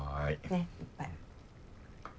ねいっぱい。